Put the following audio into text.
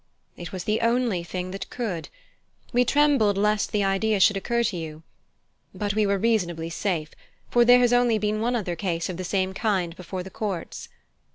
"It was the only thing that could. We trembled lest the idea should occur to you. But we were reasonably safe, for there has only been one other case of the same kind before the courts."